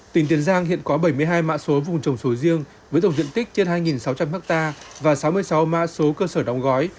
tỉnh tiền giang hiện có bảy mươi hai mã số vùng trồng sầu riêng với tổng diện tích trên hai sáu trăm linh ha và sáu mươi sáu mã số cơ sở đóng gói